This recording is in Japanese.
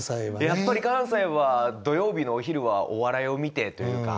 やっぱり関西は土曜日のお昼はお笑いを見てというか。